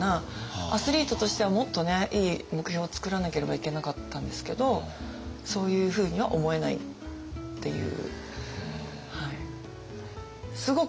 アスリートとしてはもっといい目標をつくらなければいけなかったんですけどそういうふうには思えないっていう。